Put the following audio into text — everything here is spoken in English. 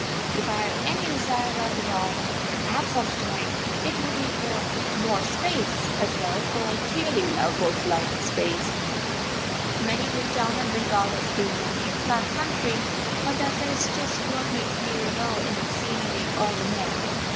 If I have any desire left at all at such a time, it will be for "more space" as well; for I dearly love both light and space. Many look down on Bengal as being only a flat country, but that is just what makes me revel in its scenery all the more.